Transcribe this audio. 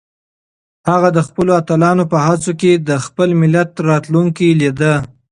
هغه د خپلو اتلانو په هڅو کې د خپل ملت راتلونکی لیده.